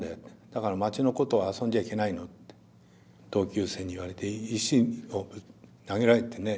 「だから町の子とは遊んじゃいけないの」って同級生に言われて石を投げられてね。